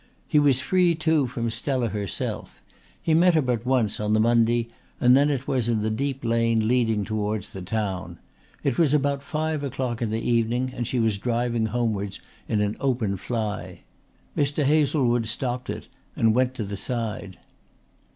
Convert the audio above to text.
He was free too from Stella herself. He met her but once on the Monday and then it was in the deep lane leading towards the town. It was about five o'clock in the evening and she was driving homewards in an open fly. Mr. Hazlewood stopped it and went to the side.